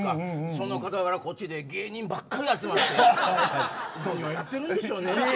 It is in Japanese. その傍らこっちで芸人ばっかり集まって何をやってるんでしょうね。